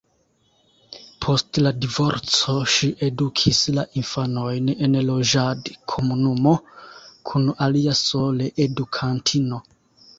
Post la divorco ŝi edukis la infanojn en loĝadkomunumo kun alia soleedukantino.